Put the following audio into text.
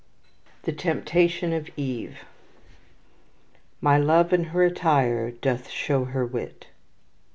The Temptation of Eve "My Love in her attire doth shew her wit."